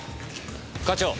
課長。